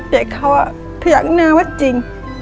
แต่เขาอ่ะพยักหน้าว่าจริง